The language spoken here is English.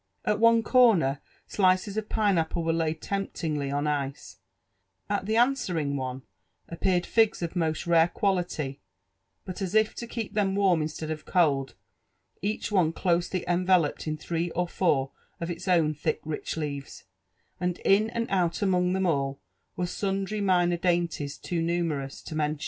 At one corner, slices of pineapple were laid temptingly on ice ; at the answering one appeared figs of most rare quality, but, as if to keep them warm instead of cold, each one closely enveloped in three or foor of its own thick rich leaves ; and in and out among them all were sundry minor dainties too numerous to mention.